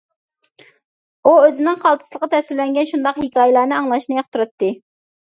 ئۇ ئۆزىنىڭ قالتىسلىقى تەسۋىرلەنگەن شۇنداق ھېكايىلەرنى ئاڭلاشنى ياقتۇراتتى.